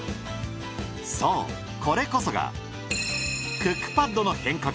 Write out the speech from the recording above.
そうこれこそがクックパッドの変革。